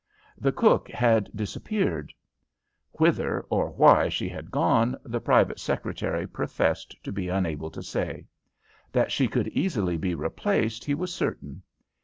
The cook had disappeared. Whither or why she had gone, the private secretary professed to be unable to say. That she could easily be replaced, he was certain.